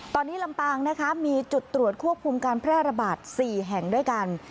ตอนนี้ลำปางนะคะมีจุดตรวจควบคุมการแพร่ระบาด๔แห่งด้วยกัน